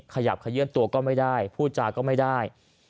ขยับขยื่นตัวก็ไม่ได้พูดจาก็ไม่ได้